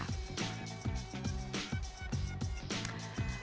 kepala badan narkotika nasional